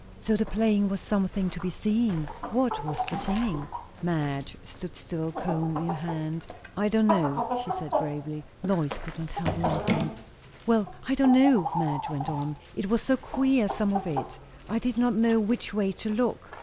"So the playing was something to be seen. What was the singing?" Madge stood still, comb in hand. "I don't know!" she said gravely. Lois could not help laughing. "Well, I don't," Madge went on. "It was so queer, some of it, I did not know which way to look.